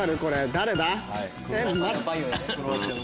誰だ？